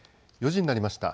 ４時になりました。